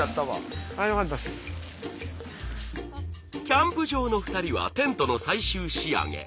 キャンプ場の２人はテントの最終仕上げ。